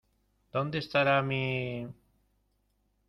¿ Dónde estará mi...?